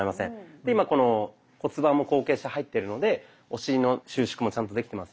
で今この骨盤も後傾して入ってるのでお尻の収縮もちゃんとできてます。